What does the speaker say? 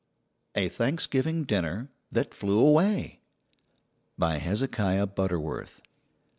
A THANKSGIVING DINNER THAT FLEW AWAY BY HEZEKIAH BUTTERWORTH.